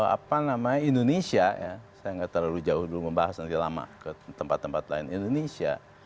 apa namanya indonesia ya saya nggak terlalu jauh dulu membahas nanti lama ke tempat tempat lain indonesia